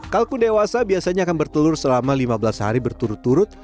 kalkun dewasa biasanya akan bertelur selama lima belas hari berturut turut